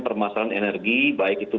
permasalahan energi baik itu